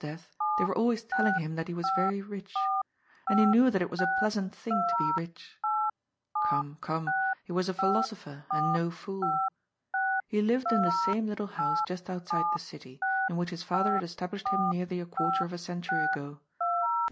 141 death, they were always telling him that he was very rich. And he knew that it was a pleasant thing to be rich. Gome, come — he was a philosopher, and no fool. He lived in the same little house just outside the city, in which his father had established him nearly a quarter of a century ago.